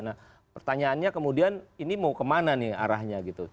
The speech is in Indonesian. nah pertanyaannya kemudian ini mau kemana nih arahnya gitu